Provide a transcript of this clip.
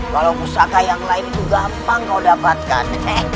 kalau pusaka yang lain itu gampang kau dapatkan